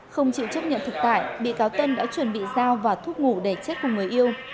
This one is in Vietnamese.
không chịu chấp nhận thực tại bị cáo tân đã chuẩn bị giao và thuốc ngủ để chết cùng người yêu